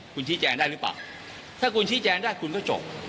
คุณชี้แจงได้หรือเปล่าถ้าคุณชี้แจงได้คุณก็จบ